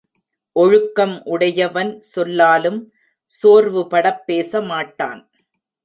ஒழுக்கம் உடையவன் சொல்லாலும் சோர்வுபடப் பேச மாட்டான்.